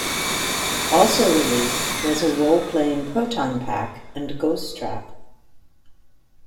Also released was a role playing Proton Pack and Ghost Trap.